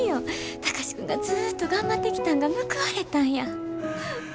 貴司君がずっと頑張ってきたんが報われたんや。